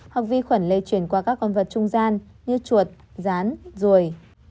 hoặc vi khuẩn lây truyền qua các con vật trung gian như chuột rán ruồi